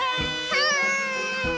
はい！